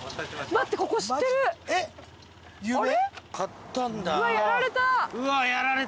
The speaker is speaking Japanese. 待ってここ知ってる有名？